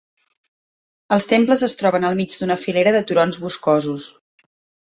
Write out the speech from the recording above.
Els temples es troben al mig d'una filera de turons boscosos.